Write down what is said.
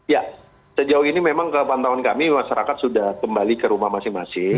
ya sejauh ini memang ke pantauan kami masyarakat sudah kembali ke rumah masing masing